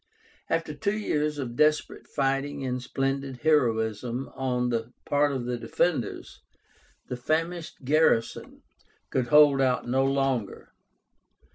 After two years of desperate fighting and splendid heroism on the part of the defenders, the famished garrison could hold out no longer.